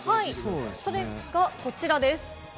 それが、こちらです。